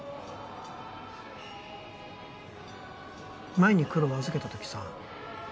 前にクロを預けた時さ